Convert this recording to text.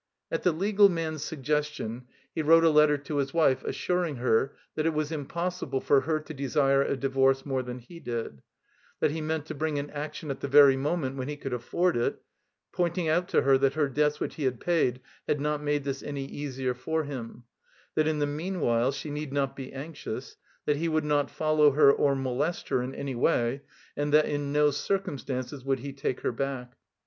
\ At the legal man's suggestion he wrote a letter to his wife assuring her that it was impossible for her to desire a divorce more than he did; that he meant to bring an action at the very moment when he ooruld afford it, pointing out to her that her debts which he had paid had not made this any easier for him ; that in the meanwhile she need not be anxious ; that he would not follow her or molest her in any way; and that in no circumstances would he take her back.